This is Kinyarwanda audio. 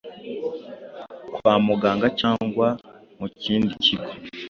kwa muganga cyangwa mu kindi kigo